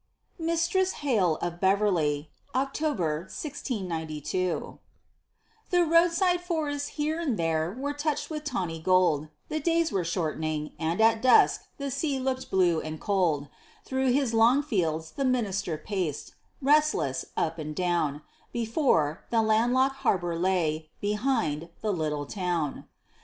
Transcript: MISTRESS HALE OF BEVERLY [October, 1692] The roadside forests here and there were touched with tawny gold; The days were shortening, and at dusk the sea looked blue and cold; Through his long fields the minister paced, restless, up and down; Before, the land locked harbor lay; behind, the little town.